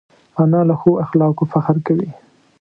انا له ښو اخلاقو فخر کوي